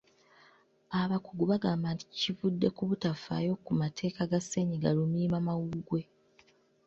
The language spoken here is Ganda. Abakugu bagamba nti kivudde ku butafaayo ku mateeka ga ssennyiga lumiimamawuggwe.